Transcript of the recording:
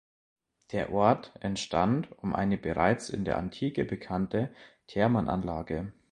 Der Ort entstand um eine bereits in der Antike bekannte Thermenanlage.